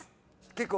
結構。